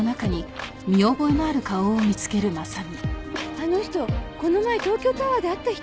あの人この前東京タワーで会った人？